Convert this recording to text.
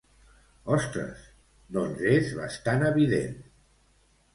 Ostres, doncs és bastant evident.